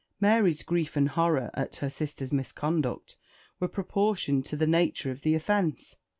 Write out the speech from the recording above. Mary's grief and horror at her sister's misconduct were proportioned to the nature of the offence.